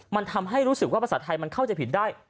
มันทำให้รู้สึกว่าภาษาไทยมันเข้าใจผิดได้